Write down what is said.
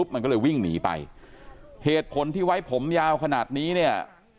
มันก็เลยวิ่งหนีไปเหตุผลที่ไว้ผมยาวขนาดนี้เนี่ย